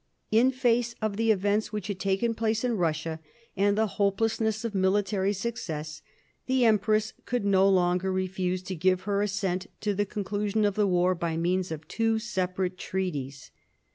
In face of the events which had taken place in Kussia, and the hopelessness of military success, the empress could no longer refuse to give her assent to the conclusion of the war by means of two separate treaties.